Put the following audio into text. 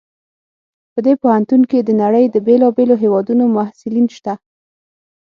په دې پوهنتون کې د نړۍ د بیلابیلو هیوادونو محصلین شته